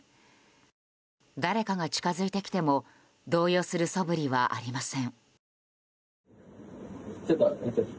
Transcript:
誰かが近づいてきても動揺する素振りはありません。